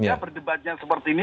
jika perdebatan seperti ini